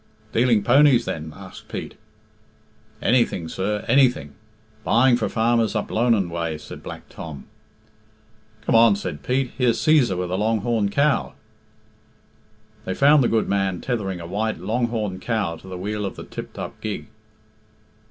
"Dealing ponies then?" asked Pete. "Anything, sir; anything. Buying for farmers up Lonan way," said Black Tom. "Come on," said Pete; "here's Cæsar with a long horned cow." They found the good man tethering a white, long horned cow to the wheel of the tipped up gig.